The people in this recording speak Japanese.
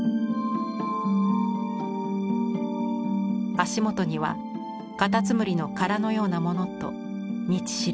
足元にはカタツムリの殻のようなものと道しるべ。